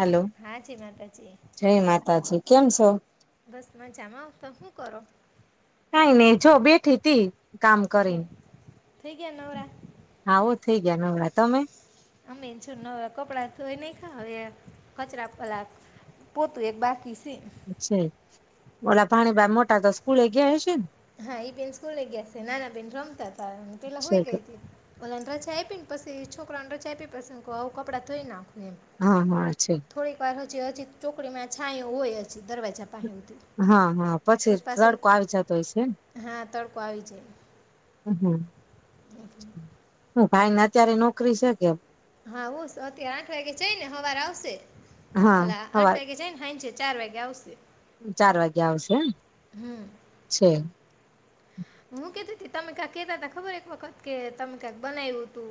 Hello, હા જી માતાજી જય માતાજી. કેમ છો? બસ મજામાં તો શું કરો કઈ નઈ જો બેઠી તી કામ કરી, ઠીક થઈ ગયા નવરા આવુત. થઈ ગયા નવરા. તમે? અમે છું નવા કપડાં ધોઈ નાઇખા હવે કચરા ફલા પોતું એક બાકી છે. છે. ઓલા ભાણી બા મોટા તો સ્કૂલે ગયા હશે ને? હા, એ બેન સ્કૂલે ગયા છે. નાના બેન રમતા હતા, તો પેલા છે હુંઈ ગઈ કે હતી. ઓલા ને રજા આઇપીને. પછી છોકરાને રજા આપી. પછી હું કઉં આવું કપડાં ધોઈ નાખું. હા હા, છે. જે હજી ચોકડીમાં છાંયો હોય, હજી દરવાજા પાહે. હા હા, પછી તડકો આવી જતો હઈશે. હા, તડકો આવી જાય. હમ્મ હમ્મ. [inaudible] હું ભાઈ ને, અત્યારે નોકરી છે કે? હા, હું અત્યારે આઠ વાગે જઈને સવાર આવશે, હા અલા આઠ હવાર વાગે જઈ ને હાંજે. ચાર વાગે આવશે. ચાર વાગે આવશે હને, હમ છે. હું કેતી હતી તમે તા કેતા હતા, ખબર એક વખત કે તમે કઈક બનાવ્યું હતું.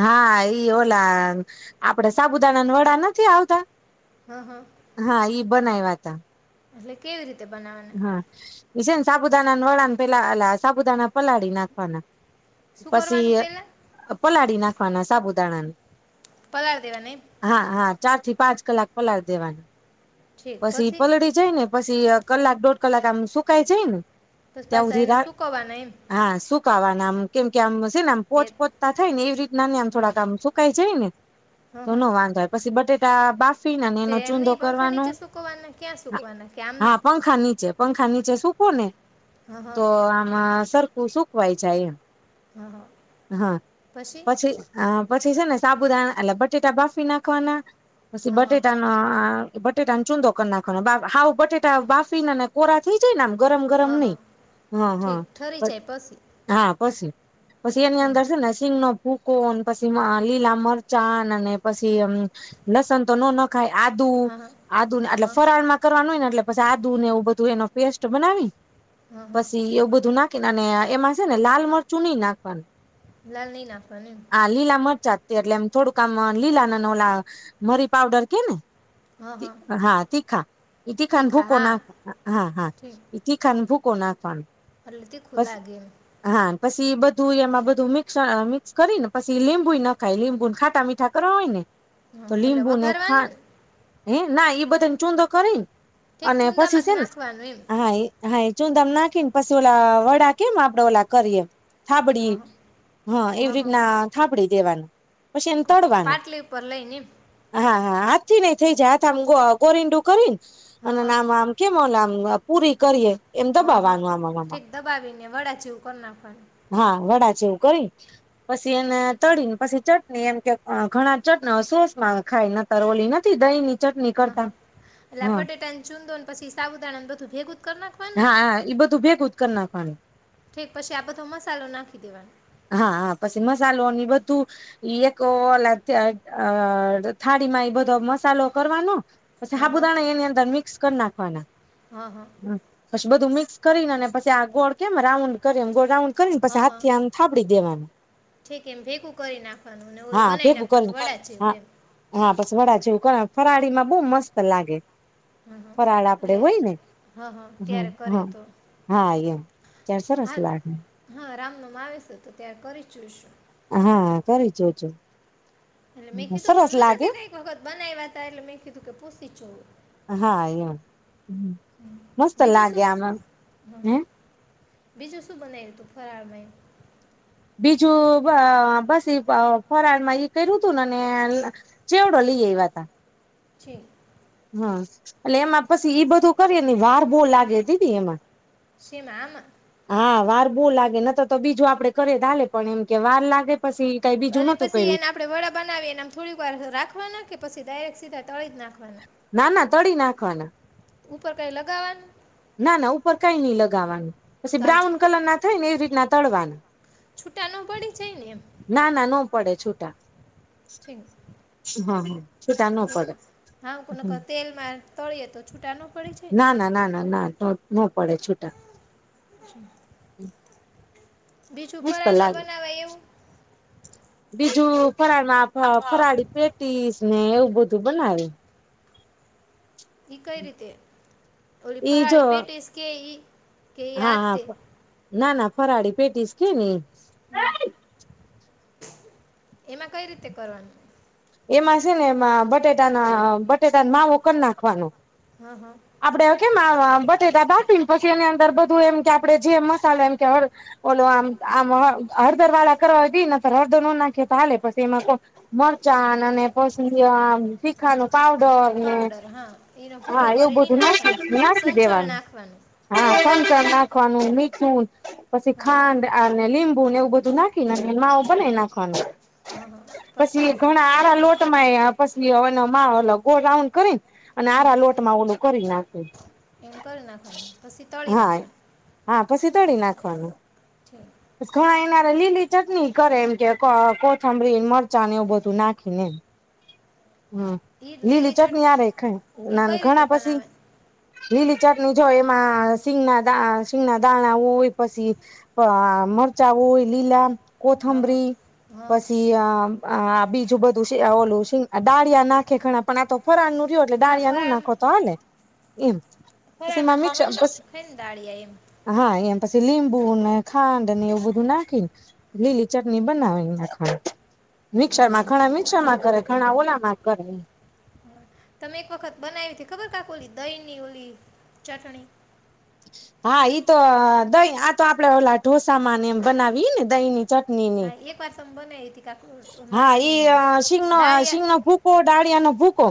હા, ઈ ઓલા આપડે સાબુદાણાના વડા નથી આવતા. હં હં હા, ઈ બનાય વાત. તા. તે કેવી રીત. હા, એ છેને. સાબુદાના વદાને પેલા અલા સાબુદાના પલાળી નાખવાના. શું પછી કરવાનું પહેલાં પલાળી નાખ. [unintelligible] સાબુદાણા પલાળ દેવાના એમ. ચાર થી પાંચ કલાક પલાળી દેવાની. પછી ઈ પલળી જાય ને પછી કલાક દોઢ કલાક આમ સુકાય જાય ને બસ પાછા એને શુંકાવાના એમ ખાવાનામ કેમ કે આમ છે ને આમ તે પોચ પોચતા થાયને એવી રીતના ને આમ હં થોડાક આમ સુકાય જાય ને હં તો હં નો વાંધો હોય પછી બટેટ ટા બાફ તે એમની પંખા નીચે સુકવાના ક્યાં સુકવાના કે આમનું. હા પંખા નીચે પંખા નીચે શૂખો ને. હં હં તો આમાં સરખું સુકવાય જાય એમ. હં હં હા પછી આ પછી છે ને સાબુદાણા એટલે બટેટા બાફી નાખવાના પછી હં હં બટેટાનો અ આ બટેટા ને ચુડો કરી નાખવાનો બા હાવ બટેટ ટા બાફીના ને અને કોરા થઈ જાય ને એમ ગરમ ગરમ હં હં નહી, હા ઠીક હા ઠરી જાય પછી હા. પસી પછી એની ઠીક અંદર છે ને સિંગનો ભૂકો ને પછી મા લીલા મરચાં અને પછી અમ લસણ તો ન ખાય આદુ હં હં આદુને એટલે હં ફરાળમાં કરવાનું હોય ને એટલે પસી આદુ ને એવું બધું એનો પેસ્ટ બનાવી હં હં પછી એવું બધું નાખ ખીને એમાં છે ને લાલ મરચું ની નાખવાનું લાલ નહી નાખવાનું એમ. તે એટલે એમ થોડુંક આમ અ લીલાના ન ઓલા મરી પાવડર કે ને. હા તીખા એ તી ખાન તીખા ભુંકો હા નાખ હા હા ઈ તીખા અને ભુંકો નાખવાનો. આટલું તીખું લાગે એમ. ને પછી બધું એમાં બધું મિક્સ અ મિક્સ કરી ને પછી લીબુ ઈ નાખાય લીંબુન ખાટા મીઠા કરવા હોય ને. તો હા એટલે લીંબુ ખા વાઘરવાનું ને. હે ના ઈ બધાને ચૂંધો કરીન ઠીક અને પછી ચૂંદામાં જ છે ને નાખવાનું એમ હા હ. ચુંદામાં નાખીને પછી ઓલા વડા કેમ આપડે ઓલા કરીએ. થાબડી હા હા હા એવી રીતના થાબડી દેવાનું પછી એને તડવાનું, પાટલી ઉપર લઈને એમ હા. હા હા થી નઈ થઈ જાય હાથ આમ ગોરિંડું કરી ને હા અને હા આમ આમ કેમોલા [unintelligible] પૂરી કરીએ. એમ હા હા દબાવવાનું આમાં આમાં ઠીક દબાવીને વડા જેવું કર નાખવાનુ. હા વડા જેવું કરીને પછી એને તળને પછી ચટણી એમ કે ઘણા ચટણી, સોસમાં ખાય ન તર ઓલી નથી દહીની હા હા. એટલે બટેટા ને ચૂંદો ને પછી સાબુદાણા ને બધું ભેગું કર નાખવાનું હા ને, હા એ બધું ભેગું જ કરી નાખવાનું ઠીક પછી આ બધો મસાલો નાખી દેવાનો. હા હા [unintelligible] બધું એક ઓ થાળીમાં એ બધો મસાલો કરવાનો. હા હા પછી [unintelligible] [unintelligible] એની અંદર મિક્સ કર નાખવાના હા હા. પછી બધું મિક્સ કરીને અને પછ આગોળ કેમ રાઉન્ડ કરીમ ગોળ ભેગું કરીને પછ હા હા હાથી એમ થાડી દેવાનું ઠીક એમ ભેગું કરી નાખવાનું ને ઓલું હા બનાવી ભેગું કરીન નાખવાનું વડા જેવું હા એમ હા. [unintelligible] વડા જેવ ફરાડી માં બહુ મસ્ સ લાગે હા હા ફરાળ આપડે એટલે હોય ને હા હા હ ત્યારે કરીએ હા તો હા એમ તાર સરસ લાગે. માં આવે છે તો ત્યાં કરી જોઈશું. હા કરી જોજો. એટલે મેં કીધું સરસ તમને તો એક લાગે વખત બનાવ્યા હતા એટલે મે કીધું કે પૂછીું હા એમ મસ્ત બીજું લાગે શું આમાં હે બીજું શું બનાવ્યું તું ફરાળમય બીજું બસ ફરાળ માં કર્યું તું નેને ચેવડો લઈએ એવા તા છે. હા એટલે એમાં પછી ઈ બધું કરીએ ને વાર બહ લાગે હતી એમાં. શી મામ. હાવાર બહુ લાગે ન તો તો બીજું આપડે કરેાલે પણ એમ કે વાર લાગે. પછી કઈ બીજું અને નતું પછી કર્યું એને આપડે વડા બનાવી એને થોડીક વાર રાખવાના કે પછી ડાયરેક સીધા તળી જ નાખવાના. ના ના તળી નાખવાના. ઉપર કઈ લગાવવાનું? ના ના ઉપર કઈ નઈ લગાવાનું પછી તો આમ બ્રાઉન છૂટું કલર ના થાય ને એવી રીતના તળવાનું. છૂટા ન પડે જ ને એમ? ના ના ન પડે છૂટા. જી હા હા. છૂટા ન પડે હા કો નકર તેલમાં તળીયે તો છૂટા ન પડે છે. ના ના ના ના ના ન પડે છૂટા. [inaudible] બીજું મસ્ત ફરાળમાં લાગે બનાવાય એવું. [unintelligible] ફરાળમાં ફ આપ આપ ફરાળી પેટીસ ને એવું બધું બનાવે. ઈ કઈ રીતે ઓલી ઈ જો ફરાળી પેટીસ કે ઈ હા કેયા તે. હા ના ના ફરાળી પેટીસ કે ની. હ. એમાં કઈ રીતે કરવાનું? એમાં છે ને એમાં બટેટાના બટેટા માવો કર નાખવાનો. હા હા. આપડે કેમ આવા બટેટા બાફી ન પછી એની અંદર બધું એમ કે આપડે જે મસાલા એમ કે હળ ઓલો આમ આમ હ હળદર વાળા કરવા હોય તો ઈ નક હળદર નો નાખી તો હાલે પછી એમાં કો મરચાં અને પછી આમ તીખાનું પાવડર ને પાવડર હા એનો ભૂકો હા કરી એવું બ નહીં નાખ નાખવાનો નાખી સંચળ દેવાનું. નાખવાનું હા સંચળ નાખવાનું, મી ઠૂ પછી હા હા ખાંડ અને લીંબુ ને એ બધું નાખી નાખી ને માવું બનાઇ નાખવાનું. હા હા પછી ઘણા આરા લોટ તમારે આ પછી માવા નો ગોળ રાઉન્ડ કરી ન અને હા આરા હા લોટ મા ઓલું કરી નાખે એમ કરી નાખવાનું, પશી તળી હા નાખવાન. હા પશી તડી નાખવાનું. પસ કા એના લીલી ચટણી કરે એમ કે કોથંમની ન મરચાં એવું બધું નાખીને એમ. હમ્મ, લીલી ચટણી આરે ખાય એ ના. કઈ રીતે ઘણા પછી બનાવે? લીલી ચટણી જયમાં સિંહનાથ દા શિંગના દાણા હોય પશી આ મરચાં હોય લીલા. હા હા કોથંબરી હા પછી આ આ બીજું બધું [unintelligible] ઓલું ડાળિયા નાખે ઘણા પણ આ તો ફરાળ નું રહ્યો એટલે ડાળયા નો નાખો તા ને એમ. પછી એમાં [unintelligible] મિક્સ પછી મીન દાળિયા એમ. હા એમ પછી લીંબુ ને ખાંડ ને એવું બધું નાખી ને લીલી ચટણી બનાવી નાખવા. છે મિક્સર, માં ઘણા મિક્સર માં કરે ઘણા ઓલા માં જ કરે એમ. તમે એક વખત બનાવીતી ખબર કાક ઓલી દહી ની ઓલી ચટણી. હા ઈ તો દહી આ તો આપડે ઓલા ઢોસા માનેમ બનાવી ને દહી ની હા એક વાર તમ બનાઈવી હા ઈ અ શિંગ નો શિંગ નો દાળિયા ભૂકો, ડાળીયાનો ભૂકો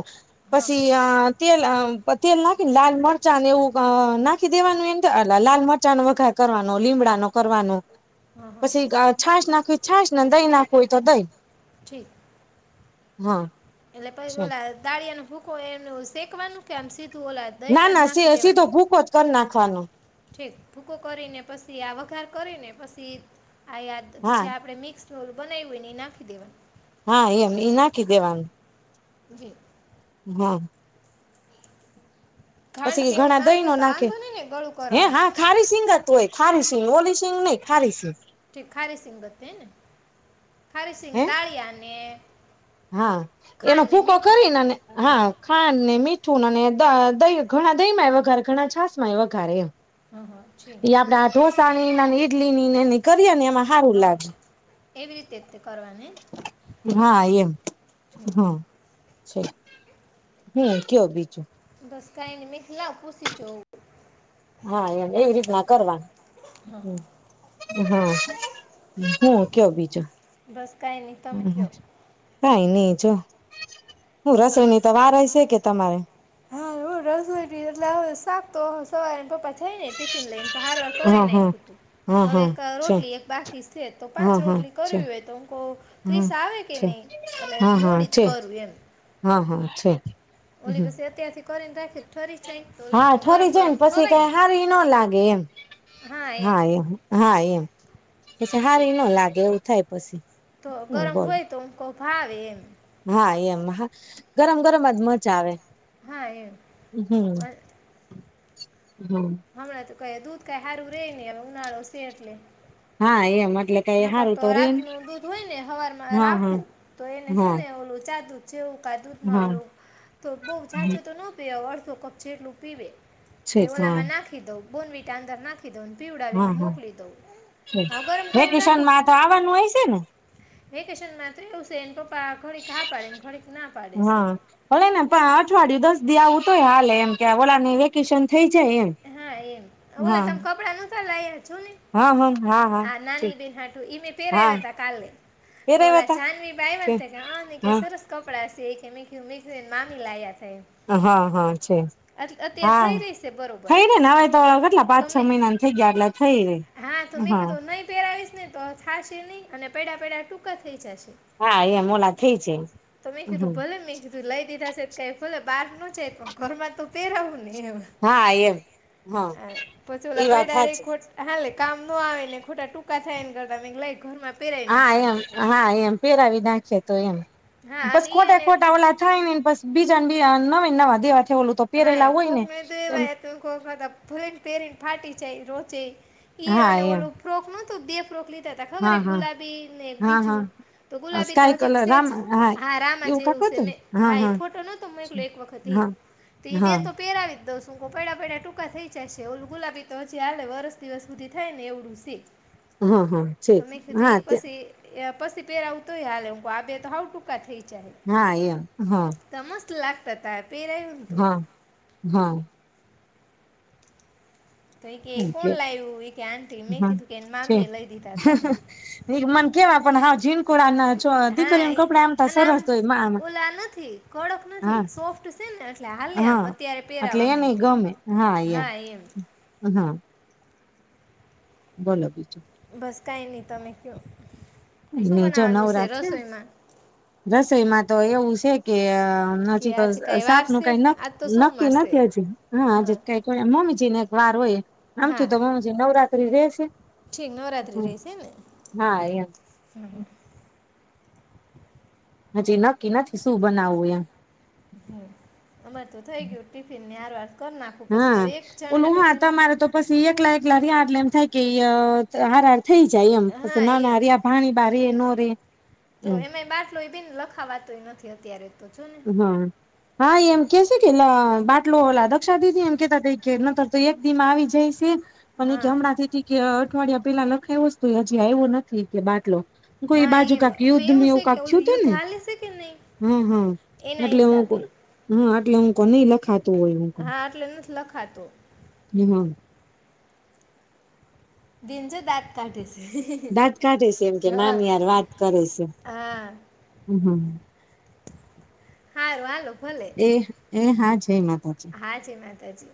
હા પછી અ તેલ તેલ નાખીને લાલ મરચાને એવું નાખી દેવાનું એમ થટ લાલ મરચા વઘાર કરવાનો, લીમડાનો કરવાનો હા હા પછી છાશ નાખવી છાને દઈ નાખ હોય તોદય ઠી [unintelligible] હા. એટલે પહી ઓલા દાળિયાનું હું એ શેકવાનું કેમ ઓ દહી ના માં જ ના નાખી દેવા સીધો ભૂકો જ કરી નાખવાનો ઠીક ભૂકો કરીને પછી આ વઘાર કરીને પછી- તે આ યાદ છે હા આપડે મિક્સ ચોલ બનાવી હોું ન નાખી દેવાનુ હા એમ ઈ નાખી દેવાનું [inaudible] હા. ખાંડ પછી કે એવું ઘણા દહી ન નાખીએ તો નાખે વાંધો નહીં ને ગળું હે કરવા હાટું હા ખારી સિંગાતું હોય ખારી મોલી સિગ નહી ખારી ઠીક ખારીસિંગ બતી ને ખારીસિંગ હે દાળીયા ને હા, એનો ખાંડ ને ફૂકો મીઠું કરીનેને હા ખાંડ ને મીઠ... છ અને દહી ઘણા દહી માં એ વઘારે ઘણા છાસ માં વઘારે એમ હા હા છે આપડા ઢોસાની નાની. નીકળ ને કૃત્ય [unintelligible] હારું હા લાગશે. એવી રીતે તે કરવાની હા એમ હા છે હમ કયો બીજું બસ કાઈની મેં કીધું પૂસીચોઉ હા એમ એવી રીતના હા હા કરવાનું હા હું કેયો બીજો બસ કાંઈ નહીં તમે કહો કઈ નહી જો હું રસોઈની તો વારશે કે તમારે હા હવ રસોઈ ર એટલે હવે શાક તો સવારે પપ્પા થઈને ટિફિન લઈને તો હાર વાર કરી હા નાને હા ખુંતું હા હવે હા એક છે રોટલી એક બાકી છે તો હા પાંચ હા રોટલી છે કરવી હોય તો ત્રીસ હા આવે કે છે નહી એટલે હા હા મોડી જ છે કરવું એમ હા હા છે ઓલી હમ પસે અત્યારે શ કરીને ઠરી જાય તો ઓલી હા કહું ઠરી ગરમ જાય ગરમ પછી ખવાય કઈ ને હારી ન લાગે એમ હા એમ હા એમ પછી હારી એ ન લાગે એવું થાય [inaudible] તો હમ ગરમ બોલો હોય તોમહ ફાવિન હા એમ હા ગરમ ગરમજ મજા આવે હા એમ હમ હમ [inaudible] ક દૂધ કઈ સારું રે નને એ ઉનાળો શેટલે હા એ નકરતો રાત નું દૂધ હોય ને હવાર માં હા હા રાખવું તો એને છે હા ને ઓલું ચા દૂધ [inaudible] હા કાદૂમાંલું તો બહ સાચો તો ન પર્ તો કપચેટલું પીવે તે છેક હા ઓલામાં નાખી દઉ. બોન વિટાદરના હા પીડાવીને મોકલી દઉ હ ગરમ કિશન માં તો આવવાનું હોય છે ને વેકેશન માત્ર એવું છે. પપ્પા ઘડીક હા પાડે ને ઘડીક ના પાડે હા, છે ભલે ને અઠવાડિયું દસ. દી આવું તો હોય હાલે એમ કે ઓલા નું વેકેશન. થઇ જાય એમ હા. સલા [inaudible] જોને, હા હા હા હા આ નાની બેન ને હા પહેરાવ્યા હતા ત કાલે કે પેરેવા ઓલા તા જાનવી બા છે આવ્યા કે હા સરસ કપડા. મેં કીધું એમને મામી લાવ્યા હતા. હા હા છે અત્યારે હા! થઈ રહી છે બરોબર થઈ ને ને હવે તો કેટલા તો પાચ- છ મેં મહિના ને થઈ ગયા આટલા? હા તમે કે દોના પહેરાની. ને તો થશે નહીં, અને પેડા પેડા ટૂંકા થઈ જશે. હા એમ ઓલા થઈ છે તો મેં કીધું ભલે મેં કીધું લઈ દીધા છે કે ભલે. બહાર નું છે પણ ઘરમાં તો પહેરવુંને? હા એમ, હા આ પછી એ ઓલા વાત પૈડા રે હાચી. ખોટ હાલે કામ ન આવે ને ખોટા ટૂંકા થાય ને કરતા લઈ ઘરમાં. પહેરાવી હા નાખવા એમ દે હા એમ પેહેરાવી નાખીએ તો એમ. હા બસ અને એ ખોટા અને ખોટા ઓલા થાય નેને બસ બીજાને બીજા. ના એના [unintelligible] વધ વા હા, એ કોક મે તે વે તો કોક ફ્યુરન પહેરીને ફાટી છે એ રોચે ઈ હા અને એમ ઓલું ફ્રોક નો તો બે ફ્રોક લી તા હતા ખબર હા હા ગુલાબી એ ને એક બીજું હા તો હા ગુલાબી તો સ્કાય હજી કલર છે રામ જ, હા રામા જેવું સે ને. હા એ ફોટો નહતો મોકલો એક વખત ઈ હા બી બે હા એતો પહેરાવે દો સૂકો પડ્યા પડ્યા ટૂંકા થઈ જશે, ઓલું ગુલાબી તો હજી હાલે વરસ દિવસ સુધી થાય ને, એવડું સે. હા, હા, ઠીક હા ત્યાં પછી એ પછી પહેરાવું તોય હાલે હું. આ બે તો હાઉ ટૂંકા થઈ હા, એમ હા. તું લાગતા તા પહેરાવ્યું તો. હા હા. તો એ કે એ કોણ ઓકે લાવ્યું? એ કે આટી, મેં હા કીધું કે એની છે મામી એ લઈ દીધા હતા એમ. કે આપણ હા જીન કોળાના હા એ અને આમ આમ ઓલા નથી કડક હા નથી સોફ્ટ સે ને એટલે હાલે આમ હા અત્યારે એટલે પહેરાવામાં એને એતે ગમે હા એમ. હા. બોલો બીજું? બસ કાય નહીં તમે ક્યો? નો જો નવરા છે. રસોઈમાં તો એવું સે કે અહ આમ કે નજીકસ આજે કાંઈ વાર શાક નું છે કઈ આજ તો નક-નક્કી સોમવાર છે નથી હજુ. હા આજે કઈ કોઈ મમ્મીજી ને વાર હોય આમ હા તું તમામ જે નવરા તોકી રહેશે ઠીક નવરાત્રિ હમ્મ હા એમ. હમ્મ, હમ્મ. હજી નક્કી નથી શું બનાવવું એમ. હમ્મ અમાર તું થઇ ગયું ટિફિન ને આર વાર હા, ઓલું હા તમારે તો પસી એકલા એકલા રિયા યાર લઈ ફેકીય ચે હરારી થઈ જાય એમ પસી હા એમ નાના રીયા ભાણી બા રે નો રે તો એમ એમે બાર બી લખાવાતોય નથી અત્યારે તો જો ને હા હા એમ કેશે કે લ ઓલા દક્ષા દીદી એમ કેતા [unintelligible] ઓલી કે હમણાં હા થી કે હજી આયવું નથી કે બાટલો કોઈ હા એમ એમાં એવું છે કે ઓલું યુદ્ધ હાલે છે કે નહીં [unintelligible] એના એટલે હિસાબે હું આટલે હમ કો નહી હા એટલે નથી લખાતો લખા [unintelligible] [unintelligible] કાઢીશ દાંત કાઢે સે એમ કે મામીયાર વાત કરેશ હા સારું હાલો એ એ [unintelligible] [unintelligible] હા જય માતાજી